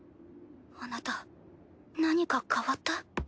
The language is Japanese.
あなた何か変わった？